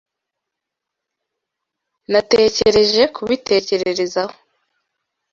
Natekereje kubitekerezaho.